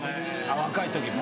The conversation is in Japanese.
若い時も？